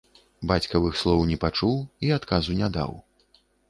Бацькавых слоў не пачуў і адказу не даў.